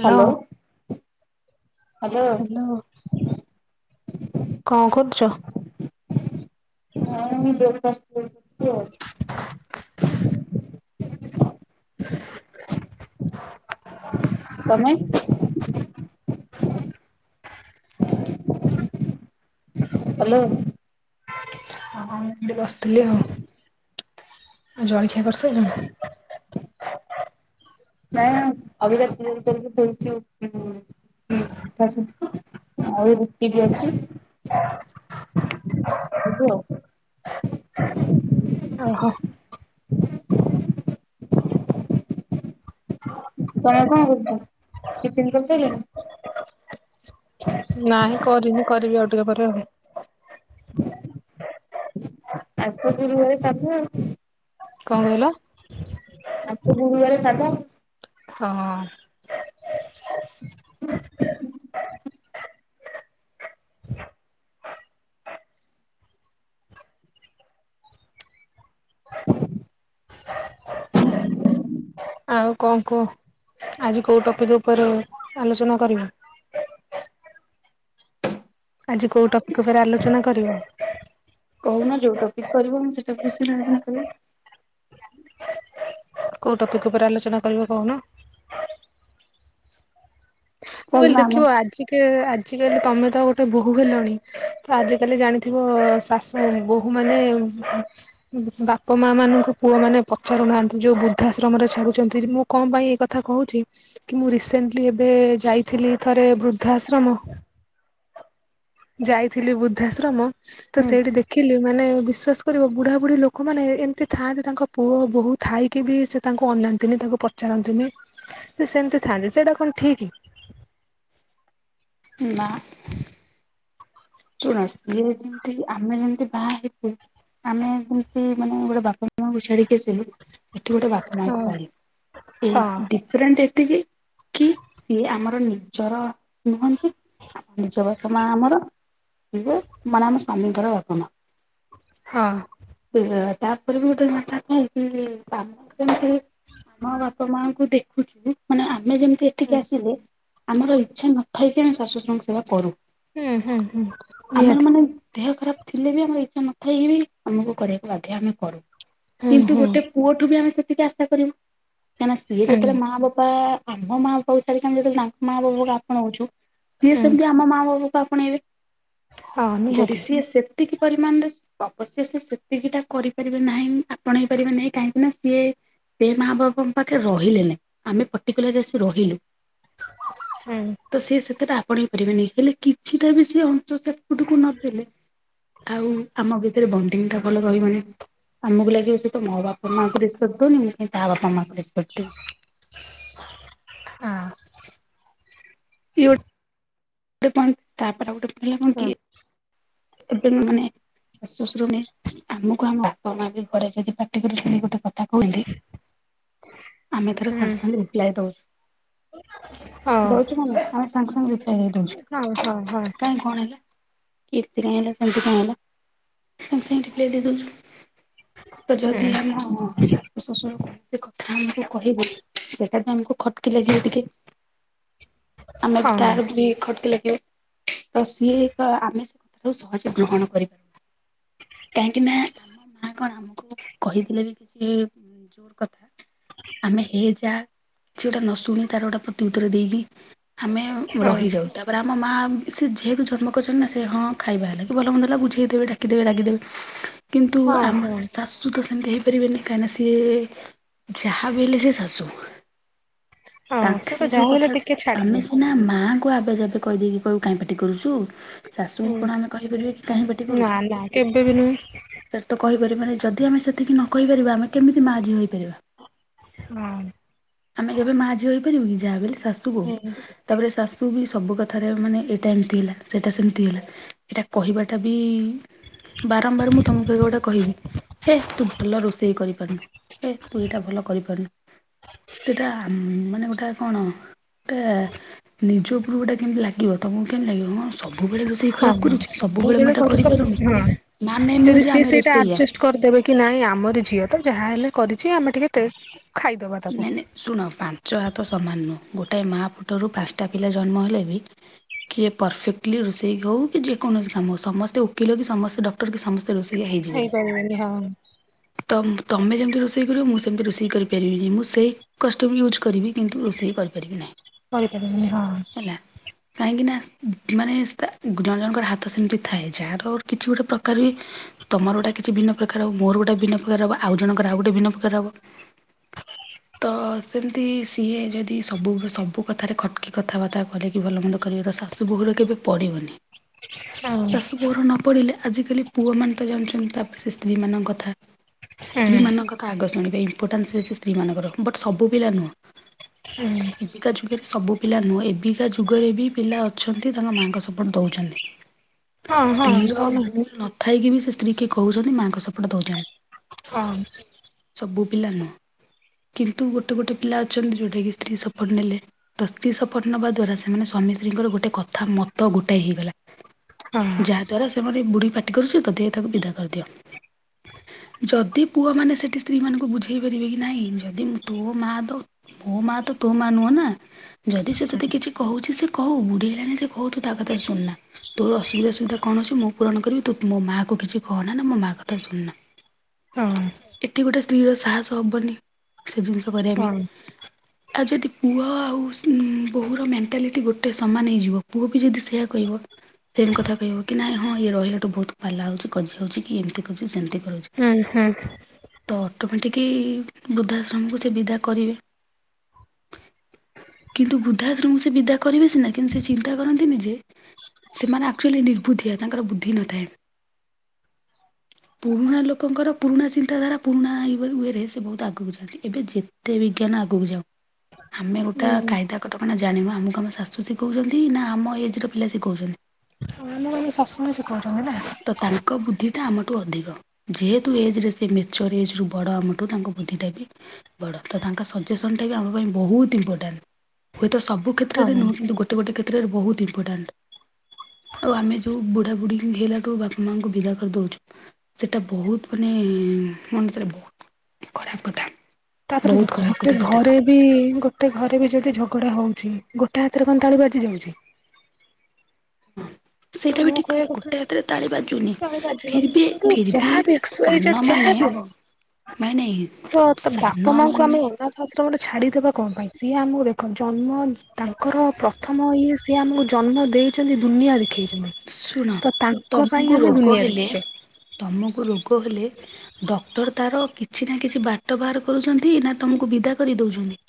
Hello. Hello କଁ କରୁଛ? ହଁ ବ୍ରେକଫାଷ୍ଟ କରୁଛି ଆଉ। [inaudible] [unintelligible] ତମେ? ହ୍ୟାଲୋ ଏମିତି ବସିଥିଲି ଆଉ ଆଉ ଜଳଖିଆ କରିସାରିଲଣି? ନାଇଁ ଅବିକା ଶୋଇକି ଉଠିଲୁ। ହଁ ଆଉ ରୁଟି ବି ଅଛି। [unintelligible] ଓହୋ ତମେ କଣ ରହୁଛ ଟିଫିନ୍ କରିସାରିଲିଲଣି? ନାଇଁ କରିନି କରିବି ଆଉ ଟିକେ ପରେ ଆଉ। ଆଜି ତ ଗୁରୁବାର ସାଧା ଆଉ। କଣ କହିଲ? ଆଜି ତ ଗୁରୁବରେ ସାଧା ଆଉ। ହଁ ହ [inaudible] ଆଉ କଣ କୁହ ଆଜି କୋଉ ଟପିକ୍ ଉପରେ ଆଲୋଚନା କରିବା? ଆଜି କୋଉ ଟପିକ୍ ଉପରେ ଆଲୋଚନା କରିବ? କହୁନ ଯଉଁ ଟପିକ୍ କହିଲେ ମୁଁ ସେ ଟପିକ୍ ବିସୟରେ ଆଲୋଚନା କରିବି। କଉଁ ଟପିକ୍ ଉପରେ ଆଲୋଚନା କରିବ କହୁନ? ମୁ ଚାଲୁନ କହିଲ ଆମେ ଦେଖିବ ଆଜି କେ ଆଜିକାଲି ତମେ ତ ଗୋଟେ ବୋହୂ ହେଲଣି, ତ ଆଜିକାଲି ଜାଣିଥିବ ଶାସ ଉ ବହୁ ମାନେ ଉ ବାପା ମା ମାନଙ୍କୁ ପୁଅ ମାନେ ପଚାରୁ ନାହାନ୍ତି ଯୋଉ ବୃଦ୍ଧାଶ୍ରମ ରେ ଛାଡୁଚନ୍ତି ମୁଁ କଣ ପାଇଁ ଏକଥା କହୁଚି କି ମୁଁ ରିସେଣ୍ଟଲି ଏବେ ଯାଇଥିଲି ଥରେ ବୃଦ୍ଧାଶ୍ରମ। ଯାଇଥିଲି ବୃଦ୍ଧାଶ୍ରମ ତ ହୁଁ ସେଇଠି ଦେଖିଲି। ମାନେ ବିଶ୍ୱାସ କରିବ ବୁଢ଼ାବୁଢ଼ୀ ଲୋକମାନେ ଏମିତି ଥାଆନ୍ତି ତାଙ୍କ ପୁଅ ବୋହୁ ଥାଇକି ବି ସେ ତାଙ୍କୁ ଅନାନ୍ତିନି ତାଙ୍କୁ ପଚାରନ୍ତିନି ସେ ସେମିତି ଥାଆନ୍ତି ସେଇଟା କଣ ଠିକ୍? ନା। ଶୁଣ ସିଏ ଯେମତି ଆମେ ଯେମିତି ବାହା ହେଲୁ ଆମେ ଯେମିତି ମାନେ ଗୋଟେ ବାପା ମାଆଙ୍କୁ ଛାଡିକି ଆସିଲୁ ଏଠି ଗୋଟେ ବାପ ହଁ ମାଙ୍କୁ ପାଇଲୁ ଏଇ ହଁ ଦିଟ ଡିଫରେଣ୍ଟ ଏତିକି କି ଇଏ ଆମର ନିଜର ନୁହନ୍ତି। ଆଉ ନିଜ ବାପ ମା ଆମର। ଏଇ ମାନେ ଆମ ସ୍ୱାମୀଙ୍କର ବାପା ମା। ହଁ। ହେଇଗଲା ତାପରେ ଗୋଟେ କଥା କି କି କାମ ସେମିତି ମୋ ବାପା ମାଙ୍କୁ ଦେଖୁଚୁ ମାନେ ଆମେ ଯେମିତି ଏ ହୁଁ ଏଠିକି ଆସିଲେ ଆମର ଇଚ୍ଛା ନଥାଇକି ଆମେ ଶାଶୁଶ୍ୱୁରଙ୍କ ସେବା କରୁ। ହୁଁ ହୁଁ ହୁଁ। ଆମର ନିହାତି ମାନେ ଦେହ ଖରାପ ଥିଲେ ବି ଆମର ଇଚ୍ଛା ନଥାଇ ବି ଆମକୁ କରିବାକୁ ବାଧ୍ୟ ଆମେ କରୁ। ହୁଁ କିନ୍ତୁ ହୁଁ ଗୋଟେ ପୁଅଠୁ ବି ଆମେ ସେତିକି ଆଶା କରିବୁ। କାହିଁକିନା ସିଏ ହୁଁ ଯେତେବେଳେ ମା ବାପା ଆମ ମା ବାପାଙ୍କୁ ଛାଡିକି ଆମେ ଯଦି ତାଙ୍କ ମା ବାବୁଙ୍କୁ ଆପଣଉଚୁ, ସିଏ ହୁଁ ସେମିତି ଆମ ମା ବାପାଙ୍କୁ ଆପଣେଇବେ। ହଁ ଯଦି ନିହାତି ସିଏ ସେତିକି ପରିମାଣରେ ଅବଶ୍ୟ ସେ ସେତିକିଟା କରିପାରିବେ ନାହିଁ ଆପଣେଇ ପାରିବେ ନାହିଁ କାହିଁକି ନା ସିଏ ସେ ମା ବାପାଙ୍କ ପାଖରେ ରହିଲେ ନାଇ। ଆମେ ପର୍ଟିକୁଲାରଲି ଆସିକି ରହିଲୁ। ହୁଁ। ତ ସେ ସେତେଟା ଆପଣେଇ ପାରିବେନି। ହେଲେ କିଛିଟା ବି ସେ ଅଂଶ ସେପଟକୁ ନଦେଲେ ଆଉ ଆମ ଭିତରେ ବଣ୍ଡିଙ୍ଗ ଟା ଭଲ ରହିବନି। ଆମକୁ ଲାଗିବ ସେ ତ ମୋ ବାପା ମାଙ୍କୁ ର୍ରେସ୍ପେକ୍ଟ ଦଉନି ମୁ କାହିଁ ତା ବାପା ମାଆଙ୍କୁ ର୍ରେସ୍ପେକ୍ଟ ଦେବି। ହଁ। ଗଟେ ପ ତାପରେ ଗୋଟେ ଭଲ କଣ ହଁ କି ଏବେର ମାନେ ଶାଶୁ ଶଶୁର ନେ ଆମକୁ ଆମ ବାପା ମା ବି ଘରେ ଯଦି ପାଟି କରି ଗୋଟେ କଥା କୁହୁନ୍ତି, ଆମେ ଧର ହୁଁ ସାଙ୍ଗେ ସାଙ୍ଗେ ରିପ୍ଲାଏ ଦଉଚୁ। ହଉ ଦଉଚୁ ନା ନାଇ? ଆମେ ସାଙ୍ଗେ ସାଙ୍ଗେ ରିପ୍ଲାୟ ହେଇ ହଉ ହଉ ହଉ ହୁଁ ଦଉଚୁ କାଇହିଁ କଣ ହେଲା? କି ଏମିତି କାଇଁ ହେଲା? ସେମିତି କାଇଁ ହେଲା। ସାଙ୍ଗେ ସାଙ୍ଗେ ରିପ୍ଲାଏ ଦେଇ ଦେଉଚୁ। ତ ଯଦି ଆମ ଶାଶୁ ଶଶୁର କ କଥା ହେଲେ କହିବୁ ସେଟା ତ ଆମକୁ ଖଟକି ଲେ ଲାଗିବ ଟିକେ। ଆମେ ହଁ ତାର ବି ଖଟକି ଲାଗିବ ତ ସିଏ ତ ଆମେ କୁ ସହଜେ ଗ୍ରହଣ କରିପାରୁ କାହିଁକି ନା ଆମ ମା କଣ ଆମକୁ କହିଥିଲେ ବି କିଛି ଜୋର କଥା ଆମେ ହେ ଯା କିଛି ଗୋଟେ ନ ଶୁଣି ତାର ଗୋଟେ ପ୍ରତି ଉତ୍ତର ଦେଇକି ଆମେ ହଁ ରହିଯାଉ ତାପରେ ଆମ ମା ସେ ଯେହେତୁ ଜନ୍ମ କରିଛନ୍ତି ନା ସେ ହଁ। ଖାଇବା ହେଲା କି ଭଲ ମନ୍ଦ ହେଲା ବୁଝେଇଦେବେ ଡାକିଦେବେ ଡାକିଦେବେ କିନ୍ତୁ ହଁ ଆମ ହଁ ଶ ତ ସେମିତି ହେଇପାରିବନି କାହିଁକି ନା ସେ ଯାହାବି ହେଲେ ସେ ଶାଶୁ ମା। ହଁ ତାଙ୍କ ତ ସେ ଯୋଉ ଯାହା ହେଲେ କଥା ଟିକେ ଆମେ ଛାଡିବେ ସିନା ମାଙ୍କୁ ଆବେ ଯାବେ, କହିଦେଇକି କହିବୁ କାହିଁ ପାଟି କରୁଛୁ ଶାଶୁ ହୁଁ ଆପଣ ଆମେ କହିପାରିବେ କି କାହିଁ ପାଟି ନା କରୁଛୁ? ନା କେବେ ବି ନୁହେଁ ସେଟା ତ କହିପାରିବାନି ଯଦି ଆମେ ସେତିକି ନ କହିପାରିବା ଆମେ କେମିତି ମା ଝିଅ ହେଇପାରିବା। ହଁ। ଆମେ କେବେ ମା ଝିଅ ହୋଇଇପାରିବୁନି ଯାହା ହେଲେ ଶାଶୁ ହୁଁ ବୋହୂ ତାପରେ ଶାଶୁ ବି ସବୁ କଥାରେ ମାନେ ଏଇଟା ଏମିତି ହେଲା ସେଟା ସେମିତି ହେଲା। ଏଇଟା କହିବାଟା ବି ବାରମ୍ବାର ମୁଁ ତମକୁ ଏ ଗୋଟେ କହିବି। ହେ ତୁ ଭଲ ରୋଷେଇ କରିପାରୁନୁ ହେ ତୁ ଏଇଟା ଭଲ କରିପାରୁନୁ। ସେଇଟା ମାନେ ଗୋଟେ କଣ? ଟା ନିଜ ଉପରୁ ଗୋଟେ କେମିତି ଲାଗିବ ତମକୁ କେମିତି ଲାଗିବ କଣ ସବୁବେଳେ ରୋଷେଇ ଖରାପ। କରୁଛି ସବୁ ସବୁବେଳେ ମୁଁ ଜଣ ଏଇଟା ଘର କରିପାରୁନି। ହଁ ମାନେ ନୁହଁ ଯଦି ଯେ ସି ଆମେ ସେଇଟା ରୋଷେଇଆ। ଆଡଜଷ୍ଟ କରିଦେବେ। କି ନାଇଁ ଆମର ଝିଅ ତ ଯାହାହଲେ କରିଛି ଆମେ ଟିକେ ଟେଷ୍ଟ। ନାଇଁ ନାଇଁ ଶୁଣ ପାଞ୍ଚ ହାତ ସମାନ ନୁହଁ ଗୋଟଏ ମା ପେଟରୁ ପାଞ୍ଚଟା ପିଲା ଜନ୍ମ ହେଲେ ବି। କିଏ ପରଫେକ୍ଟଲି ରୋଷେଇ ହଉ କି ଯେକୌଣସି କାମ ହଉ ସମସ୍ତେ ଓକିଲ କି ସମସ୍ତେ ଡକ୍ଟର କି ସମେ ରୋଷେଇ ହେଇପାରିବନି ହଁ ହେଇଯିବନି ତ ତମେ ଯେମିତି ରୋଷେଇ କରିବ ମୁଁ ସେମିତି ରୋଷେଇ କରିପାରିବିନି। ମୁଁ ସେହି କଷ୍ଟ ବି ୟୁଜ୍ କରିବି କିନ୍ତୁ ରୋଷେଇ କରିପାରିବି ନାହିଁ। କରିପାରିବିନି ହଁ। ହେଲା। କାହିଁକି ନା ମାନେ ଜଣେ ଜଣଙ୍କର ହାତ ସେମିତି ଥାଏ ଯାହାର କିଛି ଗୋଟେ ପ୍ରକାର ବି ତମର ଗୋଟ କିଛି ଭନ୍ନ ପ୍ରକାର ହବ ମୋର ଗୋଟେ ଭିନ୍ନ ପ୍ରକାର ହବ ଆଉ ଜଣର ଆଉ ଗୋଟେ ଭିନ୍ନ ପ୍ରକାର ହବ? ତ ସେମିତି ସିଏ ଯଦି ସବୁ ସବୁ କଥାରେ ଖଟକି କଥାବାର୍ତ୍ତା କରିକି ଭଲ ମନ୍ଦ କରିବ ତ ଶା ଶୁ ଘର କେବେ ପଡ଼ିବନି। ହ ଶାଶୁ ବୋହୂର ନ ପଡ଼ିଲେ ଆଜିକାଲି ପୁଅମାନେ ତ ଯାାଉଛନ୍ତି ତାପରେ ସେ ସ୍ତ୍ରୀମାନଙ୍କ କଥା ହୁଁ ସ୍ତ୍ରୀମାନଙ୍କ କଥା ଆଗ ଶୁଣିବା ଇମ୍ପୋର୍ଟାନ୍ସ ହେଉଛି ସ୍ତ୍ରୀମାନଙ୍କର ବଟ୍ ସବୁ ପିଲା ନୁହଁ। ହୁଁ। ଏବିକା ଯୁଗରେ ସବୁ ପିଲା ନୁହେଁ ଏବିକା ଯୁଗରେ ବି ପିଲା ଅଛନ୍ତି ତାଙ୍କ ମାଆଙ୍କ ସପୋର୍ଟ ଦେଉଛନ୍ତି। ହଁ ହଁ [inaudible] ଥାଇକି ବି ସେ ସ୍ତ୍ରୀ କିଏ କହୁଛନ୍ତି ମାଆଙ୍କ ସପଟ ଦଉଛନ୍ତି। ହଁ। ସବୁ ପିଲା ନୁହ। କିନ୍ତୁ ଗୋଟେ ଗୋଟେ ପିଲା ଅଛନ୍ତି ଯୋଉଟା କିି ସ୍ତ୍ରୀ ସପୋର୍ଟ ନେଲେ। ତ ସ୍ତ୍ରୀ ଶପଥ ନେବା ଦ୍ଵାରା ସେମାନେ ସ୍ବାମୀ ସ୍ତ୍ରୀଙ୍କର ଗୋଟେ କଥା ମତ ଗୋଟାଇ ହେଇଗଲା। ହଁ ଯାହାଦ୍ୱାରା ସେମାନେ ବୁଢ଼ୀ ପାଟି କରୁଛି ତଧହ ତାକୁ ବିଦା କରିଦିଅ। ଯଦି ପୁଅ ମାନେ ସେଠି ସ୍ତ୍ରୀ ମାନଙ୍କୁ ବୁଝେଇ ପାରିବେ କି? ନାଇଁ ଯଦି ତୋ ମା ତ ମୋ ମା ତ ତୋ ମା ନୁହଁ ନା? ଯଦି ସେ ତତେ କିଛି କହୁଛି ସେ କହୁ। ବୁଢ଼ୀ ହେଲାଣି ସେ କହୁ ତୁ ତା କଥା ଶୁଣୁନା? ତୋର ଅସୁବିଧା ସୁବିଧା କଣ ଅଛି? ମୁ ପୂରଣ କରିବି ତୁ ମୋ ମାଆ କୁ କିଛି କହନା ନା ମୋ ମାଆ କଥା ଶୁଣୁନା। [inaudible] ଏତିକି ଗୋଟେ ସ୍ତ୍ରୀର ସାହସ ହବନି ସେ ଜିନିଷ କରିବା ହୁଁ ହୁଁ ପାଇଁ। ଆଉ ଯଦି ପୁଅ ଆଉ ସିନ୍ ବୋହୂର ମେଣ୍ଟାଲିଟି ଗୋଟେ ସମାନ ହେଇଯିବ ପୁଅ ବି ଯଦି ସେୟା କହିବ ସେମ୍ କଥା କହିବୁକି ନାଇଁ ହଁ ଇଏ ରହିଲାଠୁ ବୋହୁତ୍ ପାଲା ହୋଉଛି କଜି ହୋଉଚିକି ଏମିତି କରୁଛି ସେମିତି କରୁଛି। ଉଁ ହୁଁ। ତ ଅଟୋମେଟିକି ବୃଦ୍ଧାଶ୍ରମକୁ ସେ ବିଦା କରିବେ। କିନ୍ତୁ ବୃଦ୍ଧାଶ୍ରମକୁ ସେ ବିଦା କରିବେ ସିନା କିନ୍ତୁ ସେ ଚିନ୍ତା କରନ୍ତିନି ଯେ ସେମାନେ ଆକ୍ଚୁଆଲି ନିର୍ବୁଧିଆ ତାଙ୍କର ବୁଦ୍ଧି ନଥାଏ। ପୁରୁଣା ଲୋକଙ୍କର ପୁରୁଣା ଚିନ୍ତାଧାରା ପୁରୁଣା ଇଏ ବୋଲି ଇୟେ ରେ ସେ ବୋହୁତ୍ ଆଗକୁ ଯାଆନ୍ତି ଏବେ ଯେତେ ବିଜ୍ଞାନ ଆଗୁକୁ ଯାଉ। ଆମେ ଗୋଟା ହୁଁ କାଇଦା କଟକଣା ଜାଣିବା ଆମକୁ ଆମ ଶାଶୁ ଶିଖୋଉଛନ୍ତି ନା ଆମ ଏଜ୍ ର ପିଲା ଶିଖୋଉଚନ୍ତି? ମୁଁ କହିବି ଶାଶୁମା ହିଁ ସିଖୋଉଚନ୍ତି ନା? ତ ତାଙ୍କ ବୁଦ୍ଧିଟା ଆମଠୁ ଅଧିକ। ଯେହେତୁ ଏଜରେ ସେ ମଚ୍ୱରେଟ୍ ଏଜ୍ ରୁ ବଡ଼ ଆମ ଠୁ ତାଙ୍କ ବୁଦ୍ଧିଟା ବି ବଡ଼ ତ ତାଙ୍କ ସଜେସନଟା ବି ଆମ ପାଇଁ ବୋହୁତ୍ ଇମ୍ପୋଟାଣ୍ଟ ହୁଏତ ସବୁ କ୍ଷେତ୍ରରେ ହଁ। ନୁହୁଁ କିନ୍ତୁ ଗୋଟ ଗୋଟେ ଗୋଟେ କ୍ଷେତ୍ରରେ ବୋହୁତ୍ ଇମ୍ପୋର୍ଟାଣ୍ଟ ଆଉ ଆମେ ଯୋଉ ବୁଢ଼ା ବୁଢ଼ୀ ଯୋଉ ହେଲା ଠୁ ବାପା ମାଆଙ୍କୁ ବିଦା କରି ଦୋଉଛନ୍ତି ସେଟା ବୋହୁତ୍ ମାନେ ମଣିଷର ବୋହୁତ୍ ଖରାପ୍ କଥା। ତାପରେ ଦେଖ ଖରାପ ଗୋଟେ କଥା ସେଇଟା ଘରେ ବି ଗୋଟେ ଘରେବି ଯଦି ଝଗଡ଼ା ହୋଉଛି ଗୋଟେ ହାତରେ କଣ ତାଳି ବାଜି ଯାଉଛି। ତ ସେଇଟା ବି ମୁଁ ଠିକ କହିବା କଥା ଗୋଟେ ହାତରେ ତାଳି ବାଜୁନି ତାଳି ଫିର୍ ବାଜିିବନି ବି କିନ୍ତୁ ଫିର୍ ବି ଯାହାବି ଏକ୍ସ ଠୁ ୱାଇ ଜେଡ୍ ସାନମାନେ ଯାହାବି ନାଇଁ ନାଇଁ ହୋଉ ତ ତ ବାପା ମାଙ୍କୁ ସାନମାନେ ଆମେ ଅନାଥ ଆଶ୍ରମରେ ଛାଡ଼ି ଦେବା କଣ ପାଇଁ ସିଏ ଆମକୁ ଦେଖନ୍ତୁ ଜନ୍ମ ତାଙ୍କର ପ୍ରଥମ ଇଏ ସି ଏ ଆମୁକୁ ଜନ୍ମ ଦେଇଛନ୍ତି ଦୁନିଆ ଦେଖେଇଛନ୍ତି। ଶୁଣ ତ ତାଙ୍କ ପାଇଁ ତମୁକୁ ଆମେ ରୋଗ ଦୁନିଆ ହେଲେ ଦେଖିଛେ ତମୁକୁ ରୋଗ ହେଲେ ଡକ୍ଟର ତାର କିଛି ନା କିଛି ବାଟ ବାହାର କରୁଚନ୍ତି ନା ତମକୁ ବିଦା କରି ଦୋଉଚନ୍ତି?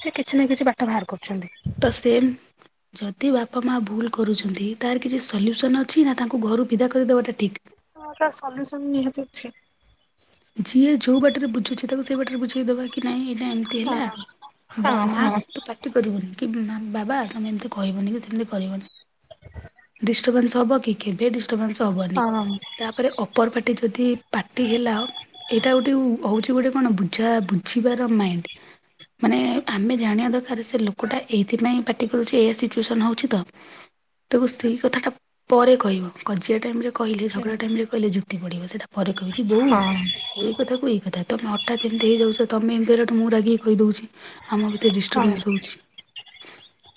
ସେ କିଛି ନା କିଛି ବାଟ ବାହାର କରୁଚନ୍ତି। ତ ସେମ୍ ଯଦି ବାପା ମା ଭୁଲ୍ କରୁଛନ୍ତି ତାର କିଛି ସଲ୍ୟୁସନ୍ ଅଛି ନା ତାଙ୍କୁ ଘରୁ ବିଦା କରି ଦବା ଟା ଠିକ୍? ହଁ ତା ସଲ୍ୟୁସନ୍ ନିହାତି ଅଛି। ଯିଏ ଯୋଉ ବାଟରେ ବୁଝୁଛି ତାକୁ ସେଇ ବାଟରେ ବୁଝେଇ ଦବାକି ନାଇଁ ଏଇଟା ଏମ୍ ତି ହେଲା ହଁ ଅବା ମାଆ ହଁ ହଁ। ତୁ ପା ଟି କରିବୁନି କି ମାମ୍ ବାବା ତମେ ଏମିତି କହିବନି କି ସେମିତି କରିବନି। ଡିଷ୍ଟୋମାନ୍ସ ହବ କି କେବେ ଡିଷ୍ଟୋମାନ୍ସ ହବନି। ହଁ ହଁ ତାପରେ ଅପର ପାଟି ଯଦି ପାଟି ହେଲା। ଏଇଟା ଗୋଟେ ଯୋଉ ହୋଉଛି ଗୋଟେ କଣ ବୁଝା ବୁଝିବାର ମାଇଣ୍ଡ। ମାନେ ଆମେ ଜାଣିବା ଦରକାର ସେ ଲୋକୋ ଟା ଏଇଥି ପାଇଁ ପାଟି କରୁଛି ଏଇଆ ସିଚ୍ୟୁସନ୍ ହୋଉଛି ତ? ତାକୁ ସ୍ତ୍ରୀ କଥା ଟା ପରେ କହିବ କଜିଆ ଟାଇମ୍ ରେ କହିଲେ ଝଗଡ଼ା ଟାଇମ୍ ରେ କହିଲେ ଯୁକ୍ତି ବଢ଼ିବ ସେଇଟା। ପରେ କହିବକି ବୋଉ ଏଇ କଥାକୁ ଏଇ କଥା ତମେ ହଠାତ୍ ଏମିତି ହେଇ ଯାଉଛ ତମେ ଏମିତି ହେଲାଠୁ ମୁଁ ରାଗିକି କହି ଦୋଉଛି। ଆମ ଭିତରେ ଡିଷ୍ଟୋର୍ମାନ୍ସ ହଁ ହୋଉଛି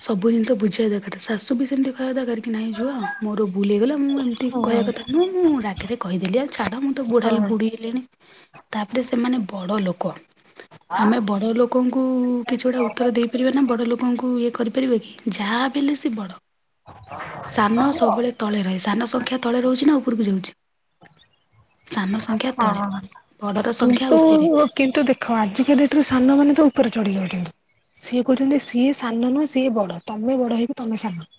ସବୁ ଜିନିଷ ବୁଝିବା ଦରକାର ଶାଶୁ ବି ସେମତି କଥା ବାର୍ତ୍ତା କରିକି କି ନାହିଁ ରୁହ ମୋର୍ ଭୁଲ୍ ହେଇଗଲା ମୁଁ ମୁଁ ଏମିତି କହିବା କଥା ନୁହୁଁ ମୁଁ ରାଗେରେ କହି ଦେଲି ଆଉ। ଛାଡ଼ ମୁଁ ତ ବୁଢ଼ା ହଁ। ବୁଢ଼ୀ ହେଲିଣି ତାପରେ ସେମାନେ ବଡ଼ ଲୋକ। ଆମେ ବଡ଼ ଲୋକଙ୍କୁ କିଛି ଗୋଟେ ଉତ୍ତର ଦେଇ ପାରିବା ନା ବଡ଼ ଲୋକଙ୍କୁ ଇଏ କରି ପାରିବା କି ଯାହା ବି ହେଲେ ସେ ବଡ଼। ସାନ ସବୁବେଳେ ତଳେ ରହେ ସାନ ସଂଖ୍ୟା ତଳେ ରହୁଛି ନା ଉପୁରୁ କୁ ଯାଉଚି? ସାନ ସଂଖ୍ୟା ତଳେ ବଡର ସଂଖ୍ୟା କିନ୍ତୁ ଉପେରେ। କିନ୍ତୁ ଦେଖ ଆଜିକା ଡେଟରେ ସାନ ମାନ ତ ଉପରେ ଚଢି ଯାଉଛନ୍ତ। ସିଏ କୋହୁଚନ୍ତି ସିଏ ସାନ ନୁହେଁ। ସିଏ ବଡ ତମେ ବଡ ହେଇକି ତମେ ସାନ।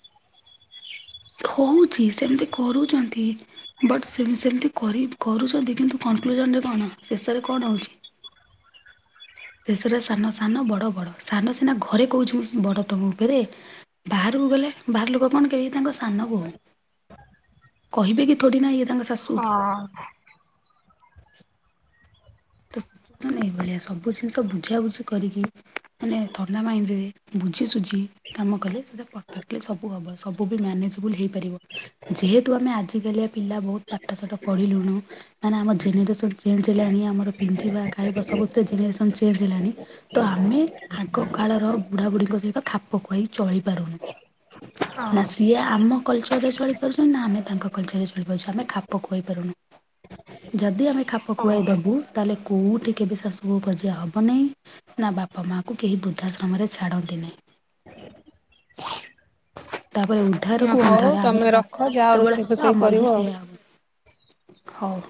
ଖୋଉଚି ସେମିତି କରୁଚନ୍ତି। ବଟ୍ ସେ-ସେମିତି କରି କରୁଚନ୍ତି କିନ୍ତୁ କନକ୍ଲୁଜନରେ କଣ ଶେଷରେ କଣ ହୋଉଚି। ଶେଷରେ ସାନ ସାନ ବଡ ବଡ ସାନ ସିନା ଘରେ କୋହୁଚି ମୁଁ ମୁଁ ବଡ ତମ ଉପରେ। ବାହାରକୁ ଗଲେ ବାହାର ଲୋକ କଣ କହିବେ ତାଙ୍କ ସାନ ଭୋଉଣୀ। କହିବେ କି ଥୋଡି ନା ଏଇ ତାଙ୍କ ଶାଶୁ ହଁ। ତୁଃ ସେମାନେ ଏଇ ଭଳିଆ ସବୁ ଜିନିଷ ବୁଝାବୁଝି କରିକି ମାନେ ଥଣ୍ଡା ମାଇଣ୍ଡରେ ବୁଝି ସୁୁଝି। କାମ କଲେ ସେଟା ପରଫେକ୍ଟଲି ସବୁ ହବ ସବୁ ମାନେଜବୁଲ ହେଇପାରିବ। ଯେହେତୁ ଆମେ ଆଜି କାଲିଆ ପିଲା ବୋହୁତ ପାଠଶାଠ ପଢିଲୁଣୁ। କାହିଁକି ନା ଆମ ଜେନେରେସନ୍ ଚେଞ୍ଜ ହେଲାଣି। ଆମର ପିନ୍ଧିବା ଖାଇବା ସବୁଥିରେ ଜେନେରେସନ୍ ଚେଞ୍ଜ ହେଲାଣି। ତ ଆମେ ଆଗ କାଳର ବୁଢା ବୁଢ଼ୀଙ୍କ ସହିତ ଖାପ ଖୁଆଇକି ଚଳି ପାରୁନୁ। ହଁ। ନା ସିଏ ଆମ କଲଚରରେ ଚଳି ପାରୁଚନ୍ତି ନା ଆମେ ତାଙ୍କ କଲଚରରେ ଚଳି ପାରୁଚୁ ଆମେ ଖାପ ଖୁଆଇ ପାରୁନୁ। ଯଦି ଆମେ ଖାପ ଖୁଆଇ ହଁ ଦୋବୁ ତାହେଲେ କୋଉଠି କେବେ ଶାଶୁ ବୋହୂ କଜିଆ ହବ ନାହିଁ। ନା ବାପା ମା କୁ କେହି ବୃଦ୍ଧାଶ୍ରମରେ ଛାଡନ୍ତେ ନାହିଁ। ତାପରେ ଉଦ୍ଧାର କୁ ହଉ ଅନ୍ଧାର ଆମ ତମେ ରଖ ବାପା ମା ଯାଅ ଯେତେବେଳେ ରୋଷେଇ ହବା ଫୋଷେଇ ଆମର କରିବ ବି ଆଉ। ସେୟଆ ହବ। ହୋଉ।